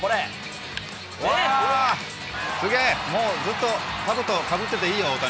すげー、もうずっとかぶとかぶってていいよ、大谷。